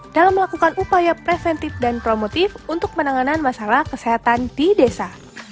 dalam melakukan upaya preventif dan promotif untuk penanganan masalah kesehatan di desa